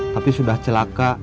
tapi sudah celaka